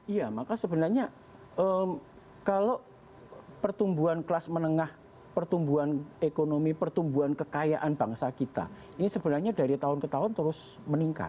iya maka sebenarnya kalau pertumbuhan kelas menengah pertumbuhan ekonomi pertumbuhan kekayaan bangsa kita ini sebenarnya dari tahun ke tahun terus meningkat